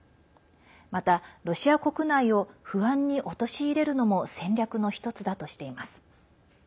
また、ロシア国内を不安に陥れるのも戦略の１つだとしています。